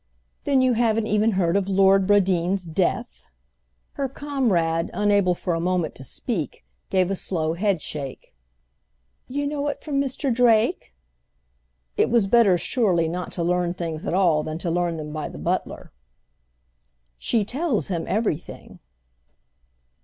"Then you haven't even heard of Lord Bradeen's death?" Her comrade, unable for a moment to speak, gave a slow headshake. "You know it from Mr. Drake?" It was better surely not to learn things at all than to learn them by the butler. "She tells him everything."